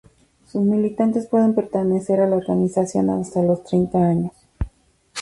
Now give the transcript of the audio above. Sus militantes pueden pertenecer a la organización hasta los treinta años.